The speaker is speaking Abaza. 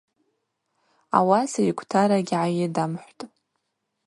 Ауаса йгвтара гьгӏайыдамхӏвтӏ.